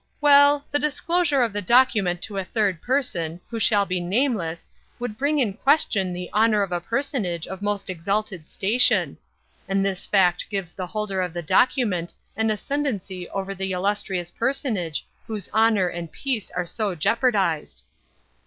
Well; the disclosure of the document to a third person, who shall be nameless, would bring in question the honor of a personage of most exalted station; and this fact gives the holder of the document an ascendancy over the illustrious personage whose honor and peace are so jeopardized."